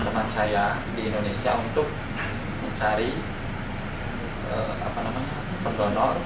teman saya di indonesia untuk mencari apa namanya pen donor